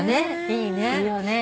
いいよね。